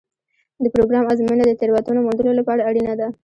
د پروګرام ازموینه د تېروتنو موندلو لپاره اړینه ده.